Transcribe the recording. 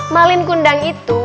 malin kundang itu